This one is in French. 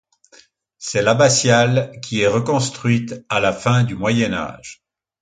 C'est l'abbatiale qui est reconstruite à la fin du Moyen Âge.